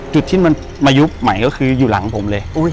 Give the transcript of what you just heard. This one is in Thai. จุดที่มันมายุบใหม่ก็คืออยู่หลังผมเลย